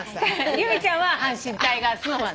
由美ちゃんは阪神タイガースファン